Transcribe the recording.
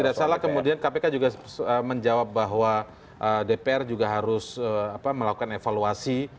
kalau tidak salah kemudian kpk juga menjawab bahwa dpr juga harus melakukan evaluasi